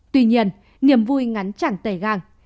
tuy nhiên niềm vui ngắn chẳng tẩy găng